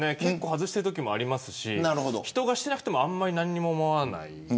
外しているときもありますし人がしていなくてもあまり何も思わない。